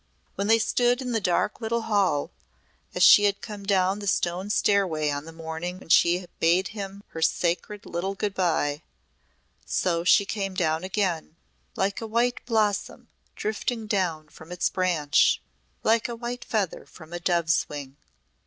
When they stood in the dark little hall as she had come down the stone stairway on the morning when she bade him her sacred little good bye, so she came down again like a white blossom drifting down from its branch like a white feather from a dove's wing.